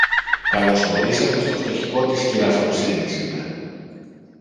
Καλώς ορίσατε στο φτωχικό της κυρα-Φρόνησης, είπε.